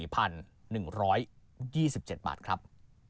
โปรดติดตามตอนต่อไป